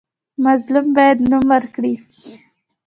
مظلوم باید نوم ورکړي.